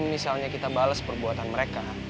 kalo misalnya kita bales perbuatan mereka